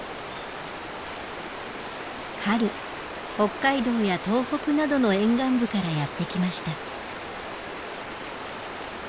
春北海道や東北などの沿岸部からやって来ました。